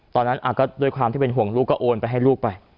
ตอนนั้นก็ด้วยความที่เป็นห่วงลูกก็โอนไปให้ลูกไป